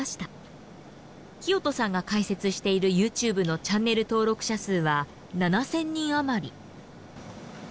聖人さんが開設しているＹｏｕＴｕｂｅのチャンネル登録者数は７０００人余り。